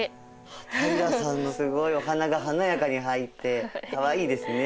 平さんのすごいお花が華やかに入ってかわいいですね。